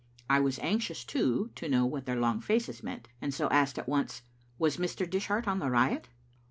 I was anxious, too, to know what their long faces meant, and so asked at once— "Was Mr. Dishart on the riot?"